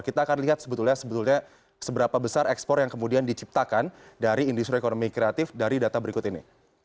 kita akan lihat sebetulnya seberapa besar ekspor yang kemudian diciptakan dari industri ekonomi kreatif dari data berikut ini